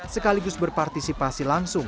sekaligus berpartisipasi langsung